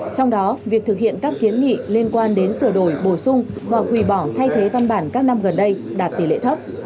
trong đó việc thực hiện các kiến nghị liên quan đến sửa đổi bổ sung hoặc hủy bỏ thay thế văn bản các năm gần đây đạt tỷ lệ thấp